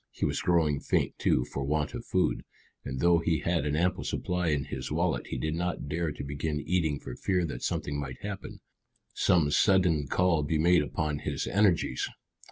He was growing faint, too, for want of food, and though he had an ample supply in his wallet he did not dare to begin eating for fear that something might happen, some sudden call be made upon his energies.